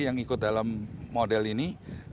yang ikut dalam model ini